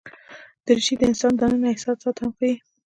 دریشي د انسان دننه احساسات هم ښيي.